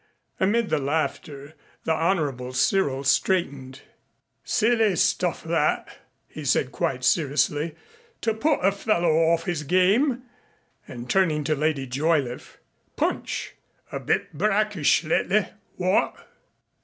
Amid the laughter the Honorable Cyril straightened. "Silly stuff, that," he said quite seriously, "to put a fellow off his game." And turning to Lady Joyliffe: "Punch a bit brackish lately. What?"